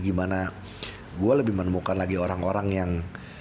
gimana gue lebih menemukan lagi orang orang yang